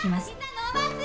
膝伸ばす！